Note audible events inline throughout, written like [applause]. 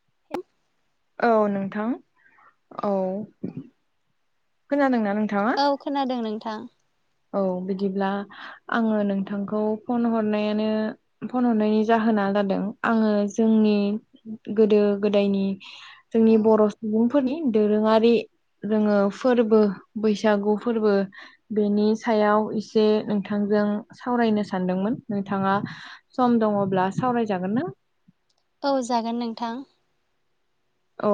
[unintelligible] औ नोंथां औ खोनादोंना? नोंथाङा? औ खोनादों नोंथां। औ बिदिब्ला आङो नोंथांखौ फन हरनायानो फन हरनायनि जाहोन आं जादों आङो जोंनि गोदो गोदायनि जोंनि बर' सुबुं फोरनि दोरोङारि जोङो फोरबो बैसागु फोरबो बेनि सायाव इसे नोंथांजों सावरायनो सानदोंमोन नोंथाङा सम दङब्ला। सावरायजागोन ना? औ जागोन नोंथां। औ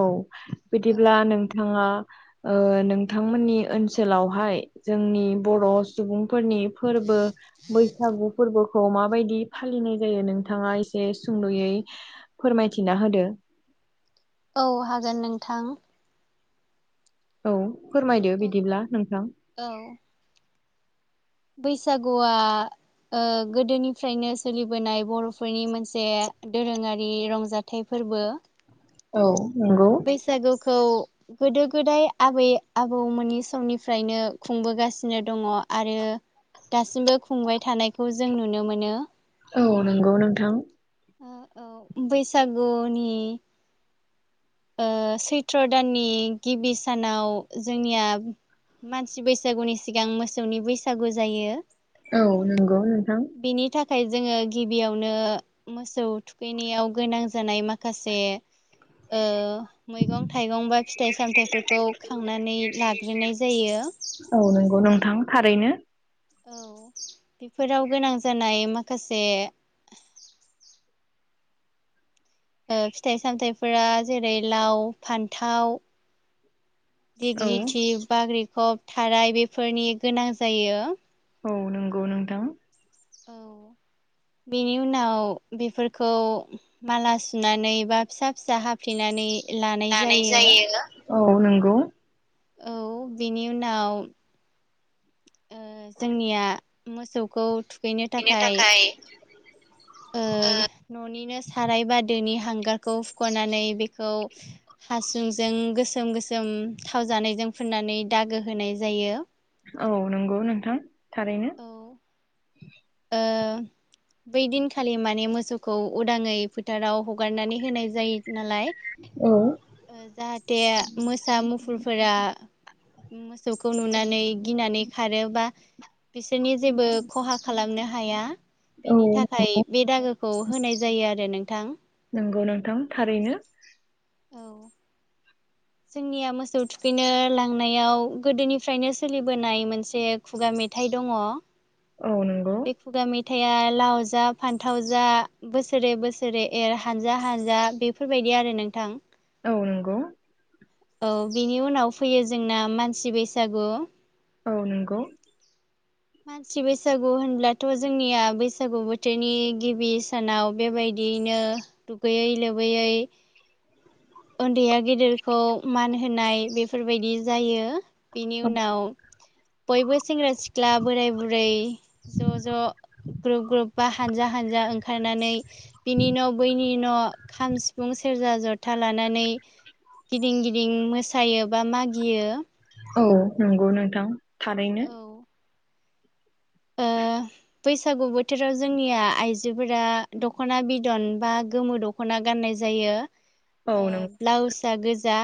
बिदिब्ला नोंथाङा ओ नोंथांमोननि ओनसोलावहाय जोंनि बर' सुबुंफोरनि फोरबो बैसागु फोरबो खौ माबायदि फालिनाय जायो नोंथाङा एसे सुंद'यै फोरमायथिना होदो। [inaudible] औ हागोन नोंथां। औ फोरमायदो बिदिब्ला नोंथां। औ बैसागुआ गोदोनिफ्रायनो सोलिबोनाय बर'फोरनि मोनसे दोरोङारि रंजाथाइ फो फोरबो। औ नंगौ बैसागु खौ गोदो गोदाय आबै आबौमोननि समनिफ्रायनो खुंबोगासिनो दङ। आरो दासिमबो खुंबाय थानायखौ जों नुनो मोनो। औ नंगौ नोंथां। औ बैसागुनि ओ सैथ्र' दाननि गिबि सानाव जोंनिया मानसि बैसागुनि सिगां मोसौनि बैसागु जायो। औ नंगौ नोंथां। बेनि थाखाय जोङो गिबियावनो मोसौ थुखैनायाव गोनां जानाय माखासे [inaudible] ओ मैगं थाइगं बा फिथाइ सामथायाइफोरखौ खांनानै लाग्रोनाय जायो। औ नोंगौ थारैनो औ बेफोराव गोनां जानाय माखासे फिथाइ सामथायाइफोरा जेरै लाव फान्थाव औ दिग्लिथि बाग्रिखब थाराय बेफोरनि गोनां जायो। औ नंगौ नोंथां। औ बेनि उनाव बेफोरखौ माला सुनानै बा फिसा फिसा हाफ्लेनानै लानाय जायो औ नंगौ। औ बिनि उनाव जोंनिया मोसौखौ थुखैनो थाखाय ओ न'निनो साराय बा दोनि हांगारखौ हुख'नानै बेखौ हासुंजों गोसोम गोसोम थाव जानायजों फुननानै दागो होनाय जायो औ नंगौ नोंथां थारैनो औ ओ [inaudible] बै दिनखालि माने मोसौखौ उदाङै फोथाराव हगारनानै होनाय जायो नालाय औ जाहाथे मोसा मुफुरफोरा मोसौ खौ नुनानै गिनानै खारो बा बिसोरनि जेबो खहा खालामनो हाया औ बेनि थाखाय बे दागोखौ होनाय जायो आरो नोंथां नंगौ नोंथां थारैनो औ जोंनिया मोसौ थुखैनो लांनायाव गोदोनिफ्रायनो सोलिबोनाय मोनसे खुगा मे मेथाइ दङ औ नंगौ थाया लाव जा फान्थाव जा बोसोरे बोसोरै एर हानजा हानजा बेफोरबायदि बे आरो नोंथां औ नोंगौ औ बिनि उनाव फैयो जोंना मानसि बैसागु औ नोंगौ मानसि बैसागु होनब्लाथ' जोंनिया बैसागु बोथोरनि गिबि सानाव बेबाय दियैनो दुगैयै लोबैयै उन्दैया गेदेरखौ मान होनाय बेफोरबायदि जायो बिनि उनाव बयबो सेंग्रा सिख्ला बोराय बुरै ज' ज' ग्रुप ग्रुप बा हानजा हानजा ओंखारनानै बिनि न' बैनि न' खाम सिफुं सेरजा जथा था लानानै गिदिं गिदिं मोसायो बा मागियो। औ नंगौ नोंथां थारैनो औ ओ [inaudible] बैसागु बोथोराव जोंनिया आइजोफोरा दख'ना बिदन बा गोमो दख'ना गाननाय जायो। औ नों ब्लाउस गोजा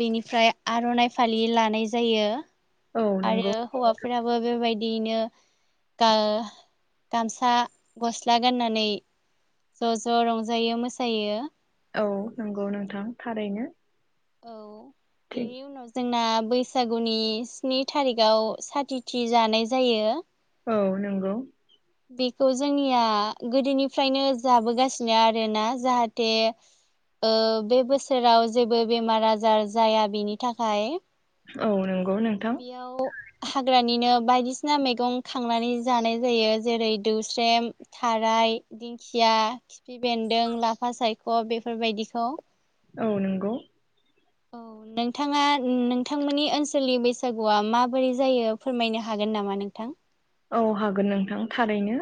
बेनिफ्राय आर'नाइ फालि लानाय जायो। औ नंगौ आरो हौवाफोराबो बेबायदियैनो गामसा गस्ला गाननानै ज' ज' रंजायो मोसायो। औ नोंगौ नोंथां थारैनो औ थिग बेनि उनाव जोंना बैसागुनि स्नि तारिखाव साथिथि जानाय जायो। औ नोंगौ। बेखौ जोंनिया गोदोनिफ्रायनो जाबोगासिनो आरोना जाहाथे ओ बे बोसोराव जेबो बेमार आजार जाया बेनि थाखाय औ नोंथां बेयाव हाग्रानिनो बायदिसिना मैगं खांनानै जानाय जायो जेरै दौस्रेम थार राइ दिंखिया खिफि बेन्दों लाफा सायख' बेफोरबायदिखौ औ नोंगौ। औ नोंथाङा नोंथांमोननि ओनसोलनि बैसागुआ माबोरै जायो फोरमायनो हागोन। नामा नोंथां? औ हागोन नोंथां थारैनो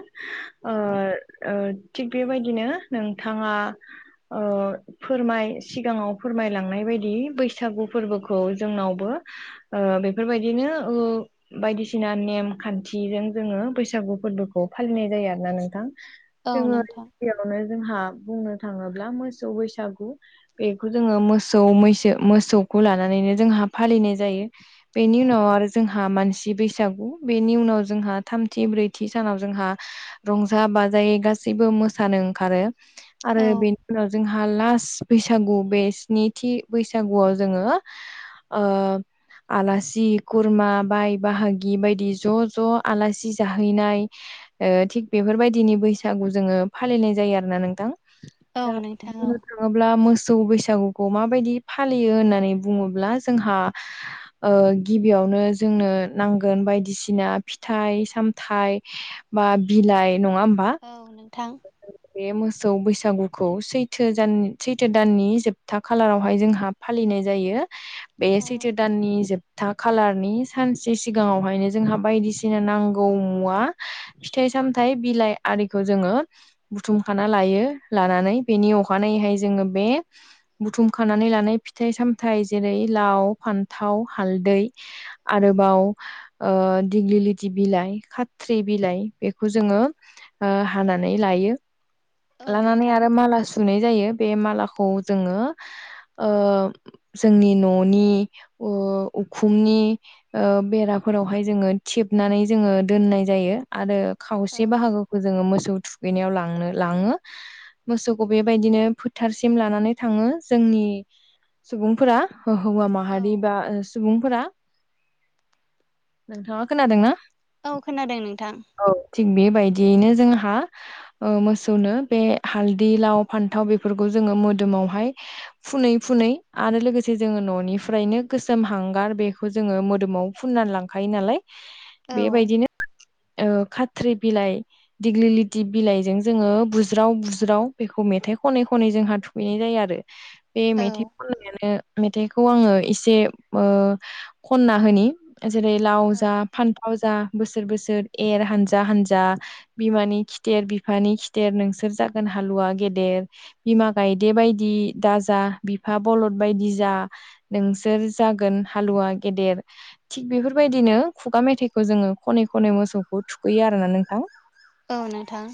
ओ औ थिग बेबायदिनो नोंथाङा ओ फोरमाय सिगाङाव फोरमायलांनाय बायदि बैसागु फोरबोखौ जोंनावबो ओ बेफोरबायदिनो ओ बायदि सिना नेम खान थिजों जोङो बैसागु फोरबोखौ फालिनाय जायो आरोना नोंथां औ जोङो नोंथां गिबियावनो जोंहा बुंनो थाङोब्ला मोसौ बैसागु बेखौ जोङो मोसौ मैसो मोसौ खौ लानानैनो जोंहा फालिनाय जायो। बेनि औ उनाव आरो जोंहा मानसि बैसागु बेनि उनाव जोंहा थामथि ब्रैथि सानाव जोंहा रंजा बाजायै गासैबो मोसानो ओंखारो आरो औ बेनि उनाव जोंहा लास्ट बैसागु बे स्निथि बैसागुआव जोङो ओ आलासि खुरमा बाय बाहागि बायदि ज' ज' आलासि जाहैनाय ओ थिग बेफोरबायदिनि बैसागु जोङो फालिनाय जायो आरोना नोंथां। औ दा नोंथां औ बुंनो थाङोब्ला मोस सौ बैसागुखौ माबायदि फालियो होननानै बुङोब्ला जोंहा ओ गिबियाव नो जोंनो नांगोन बायदिसिना फिथाइ-सामथाइ बा बिलाइ नङा होमबा औ नोंथां बे मोसो सौ बैसागुखौ सैथो दान सैथो दाननि जोबथा खालारावहाय जोंहा फालिनाय जायो। बे औ सैथो दाननि जोबथा खालारनि सानसे सिगाङावहायनो जोंहा बायदिसि ना नांगौ मुवा फिथाइ-सामथाय बिलाइ आरिखौ जोङो बुथुमखाना लायो। यो लानानै बेनि अखानायैहाय जोङो बे बुथुम खानानै लानाय फिथाइ सामथाइ जेरै लाव, फान्थाव, हालदै आरोबाव ओ दिग्लि लि ति बिलाइ, खाथ्रि बिलाइ बेखौ जोङो ओ हानानै लायो। औ लानानै नोंथां आरो माल सुनै जायो बे मालाखौ जोङो ओ जोंनि न'नि उ ओ उखुमनि ओ बेराफोरावहाय जोङो थेब बनानै जोङो दोननाय जायो आरो औ खावसे बाहागोखौ जोङो मोसौ थुखैनायाव लांनो लाङो मोसौखौ बेबायदिनो फोथारसिम लानानै थाङो जोंनि सुबुंफोरा हौवा औ माहारि बा सुबुंफोरा नोंथाङा खोनादोंना? औ खोनादों नोंथां। औ। थिग बेबायदियैनो जोंहा ओ मोसौनो बे हालदै, लाव, फान्थाव बेफोरखौ जों जोङो मोदोमावहाय फुनै फुनै आरो लोगोसे जोङो न'निफ्रायनो गोसोम हांगार बेखौ जोङो मोदोमाव फुननानै लांखायो नालाय औ बेबायदिनो ओ खाथ्रि बिलाइ, दिग्लिलिथि बिलाइजों जोङो बुज्राव बुज्राव बेखौ मे मेथाइ खनै खनै जोंहा थुुखैनाय जायो आरो बे मेथाइ औ खननायानो मेथाइखौ आङो एसे ओ खनना होनि जेरै लाव औ जा फानफाव जा बोसोर बोसोर एर हानजा हानजा बिमानि खिथेर बिफानि खिथेर नोंसोर जागोन हालुवा गेदेर बिमा गायदे बायदि दाजा बिफा बलद बायदि जा नोंसोर जागोन हालुवा गेदेर थिग बेफोरबायदिनो खुगा मेथाइखौ जोङो खनै खनै मोसौखौ थुखैयो आरोना नोंथां। नोंथां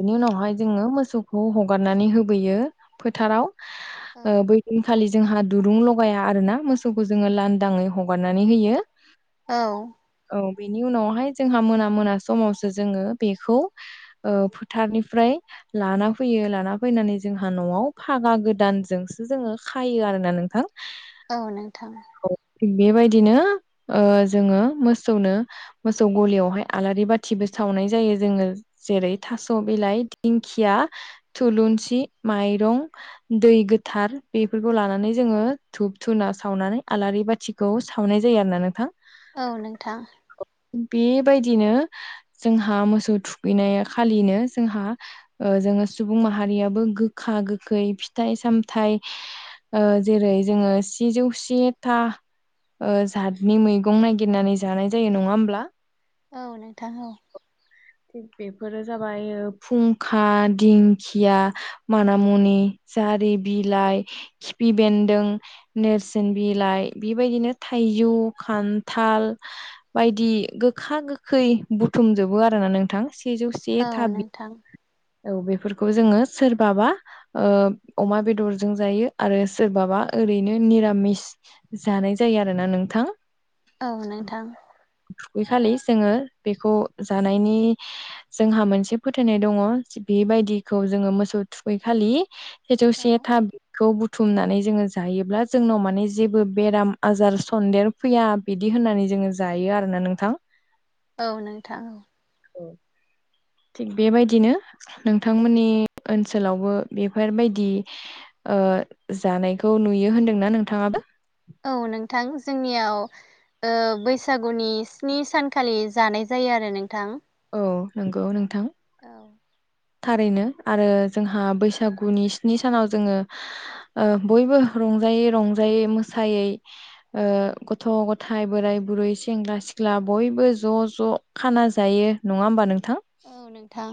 बिनि उनावहाय जोङो मोसौखौ हगारनानै होबोयो फोथाराव औ ओ बै दिनखालि जोंहा दुरुं लगाया आरोना मोसौखौ जोङो लांदाङै हगारनानै होयो। औ औ बेनि उनावहाय जोंहा मोना मोना समावसो जोङो बेखौ ओ फोथार निफ्राय लाना फैयो लाना फैनानै जोंहा न'आव फागा गोदानजोंसो जोङो खायो। आरोना नोंथां। औ नोंथां थिग बेबायदिनो ओ जोङो मोसौनो मोसौ गलियावहाय आलारि बाथिबो सावनाय जायो जोङो जेरै थास' बे बिलाइ दिंखिया थुलुंसि माइरं दै गोथार बेफोरखौ लानानै जोङो धुप धुनाना सावनानै आलारि बाथिखौ सावनाय जायो आरोना नोंथां औ नोंथां बेबायदिनो जोंहा मोसौ थुखैनाय खालिनो जोंहा ओ जोङो सुबुं माहारियाबो गोखा गोखै फिथाइ सामथाइ जेरै जोङो सेजौ सेथा जातनि मैगं नायगिरो गिरनानै जानाय जायो नङा होमब्ला औ नोंथां औ थिग बेफोरो जाबाय फुंखा दिंखिया मानामुनि दारि बिलाइ खिफि बेन्दों नेरसोन बिलाइ बेबायदिनो थाइजौ खानथाल थाल बायदि गोखा गोखै बुथुमजोबो आरोना नोंथां। सेजौसे था औ बि नोंथां औ बेफोरखौ जोङो सोरबाबा अमा बेदरजों जायो आरो सोरबाबा ओरैनो निरामिस जानाय जायो आरोना नोंथां। औ नोंथां थुगैखालि जोङो बेखौ जानायनि जोंहा मोनसे फोथायनाय दङ बेबायदिखौ जोङो मोसौ थुखै खालि सेजौ औ नोंथां औ से थाखौ बुथुमनानै जोङो जायोब्ला जोंनाव माने जेबो बेराम आजार सन्देर फैया बिदि होननानै जोङो जायो आरोना नोंथां। औ नोंथां औ औ थिग बेबायदिनो नोंथांमोननि ओनसोलावबो बेफोरबायदि जानायखौ नुयो होनदोंना नोंथाङाबो औ नोंथां जोंनियाव बैसागुनि स्नि सानखालि जानाय जायो आरो नोंथां। औ नंगौ नोंथां। औ थारैनो आरो जोंहा बैसागुनि स्नि सानाव जोङो बयबो रंजायै रंजायै मोसायै गथ' गथाय बोराय बुरै सेंग्रा सिख्ला। सिख्ला बयबो ज' ज' खाना जायो नङा होमबा नों औ नोंथां।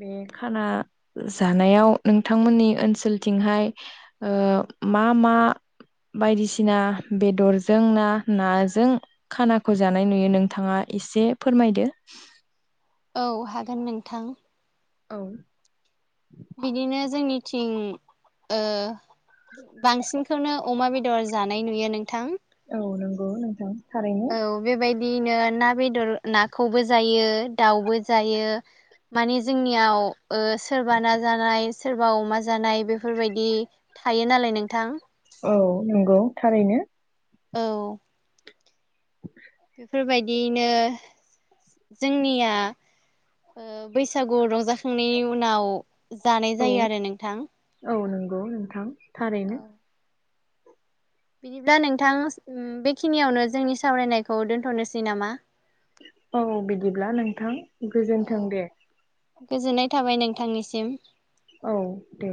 बे खाना जानायाव नोंथांमोननि ओनसोलथिंहाय। मा मा बायदिसिना बेदरजों ना नाजों खानाखौ जानाय नुयो नोंथाङा। एसे फोरमायदो औ हागोन नोंथां। औ बिदिनो जोंनिथिं बांसिनखौनो अमा बेदर जानाय नुयो नोंथां। औ नंगौ नोंथां। थारैनो औ बेबायदिनो ना बेदर नाखौबो जायो दाउबो जायो। माने जोंनियाव सोरबा ना जानाय सोरबा अमा जानाय बेफोरबायदि थायो नालाय नोंथां। औ नंगौ थारैनो। औ। [unintelligible] बेफोर बायदियैनो जोंनिया बैसागु रंजाखांनायनि उनाव जानाय औ जायो आरो नोंथां। औ नंगौ नोंथां थारैनो बिदिब्ला नोंथां बेखिनियावनो जोंनि सावरायनायखौ दोन्थ'नोसै नामा? औ बिदिब्ला नोंथां गोजोन्थों दे। गोजोननाय थाबाय नोंथांनिसिम। औ दे।